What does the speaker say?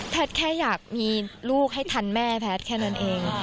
แค่อยากมีลูกให้ทันแม่แพทย์แค่นั้นเอง